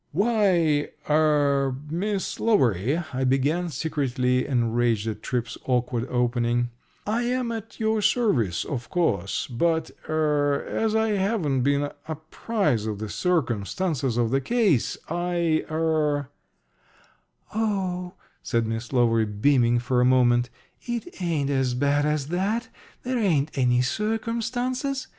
"Why er Miss Lowery," I began, secretly enraged at Tripp's awkward opening, "I am at your service, of course, but er as I haven't been apprized of the circumstances of the case, I er " "Oh," said Miss Lowery, beaming for a moment, "it ain't as bad as that there ain't any circumstances.